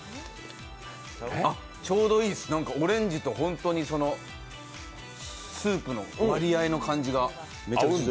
あっ、ちょうどいいですオレンジとスープの割合の感じがめちゃくちゃ。